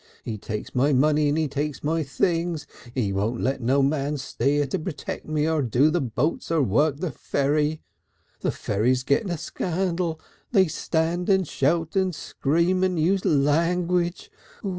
He takes my money and he takes my things. He won't let no man stay here to protect me or do the boats or work the ferry. The ferry's getting a scandal. They stand and shout and scream and use language....